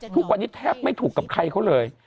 ทุกวันนี้แทบไม่ถูกกับใครเขาเลย